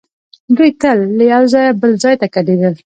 دوی تل له یو ځایه بل ځای ته کډېدل.